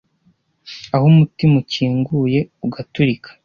aho umutima ukinguye ugaturika